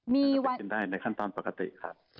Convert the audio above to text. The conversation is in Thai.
มีวันในขั้นตอนปกติครับ